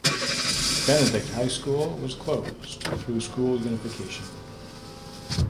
Benedict High School was closed through school unification.